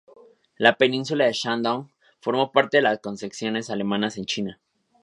La península de Shandong, formó parte de las concesiones alemanas en China.